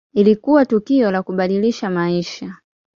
Ilikuwa tukio la kubadilisha maisha.